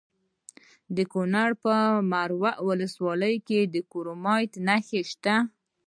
د کونړ په مروره کې د کرومایټ نښې شته.